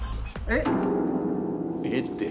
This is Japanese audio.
えっ？